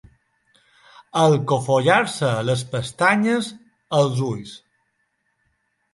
Alcofollar-se les pestanyes, els ulls.